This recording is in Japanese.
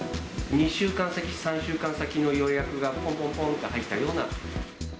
２週間先、３週間先の予約がぽんぽんぽんって入ったような。